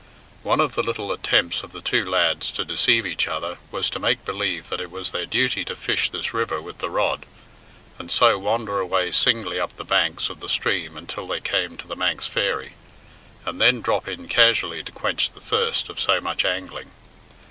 One of the little attempts of the two lads to deceive each other was to make believe that it was their duty to fish this river with the rod, and so wander away singly up the banks of the stream until they came to "The Manx Fairy," and then drop in casually to quench the thirst of so much angling.